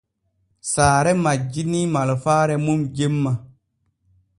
Saare majjinii malfaare mum jemma.